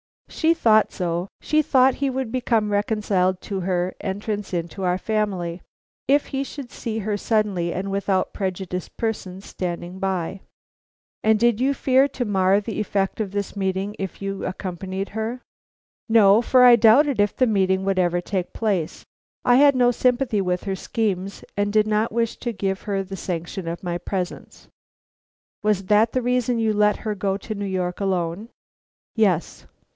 "She thought so; she thought he would become reconciled to her entrance into our family if he should see her suddenly and without prejudiced persons standing by." "And did you fear to mar the effect of this meeting if you accompanied her?" "No, for I doubted if the meeting would ever take place. I had no sympathy with her schemes, and did not wish to give her the sanction of my presence." "Was that the reason you let her go to New York alone?" "Yes."